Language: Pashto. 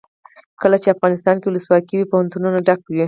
کله چې افغانستان کې ولسواکي وي پوهنتونونه ډک وي.